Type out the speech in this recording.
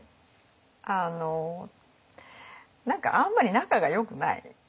何かあんまり仲がよくない。